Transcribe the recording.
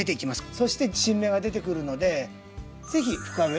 そして新芽が出てくるので是非深植えをして下さい。